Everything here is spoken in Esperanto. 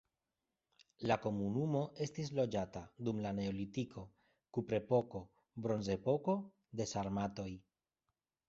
La komunumo estis loĝata dum la neolitiko, kuprepoko, bronzepoko, de sarmatoj.